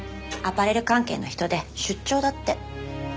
アパレル関係の人で出張だって。